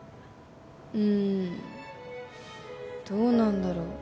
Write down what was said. うんどうなんだろう